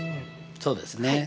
そうですね。